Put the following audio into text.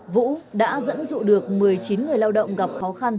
vũ đã dẫn dụ được một mươi chín người lao động gặp khó khăn